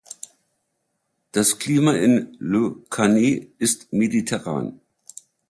Das Klima in Le Cannet ist mediterran.